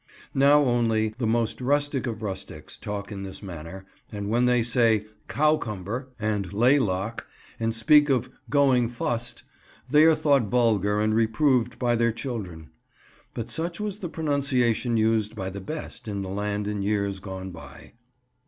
Now only the most rustic of rustics talk in this manner, and when they say "cowcumber," and "laylock," and speak of "going fust" they are thought vulgar and reproved by their children. But such was the pronunciation used by the best in the land in years gone by.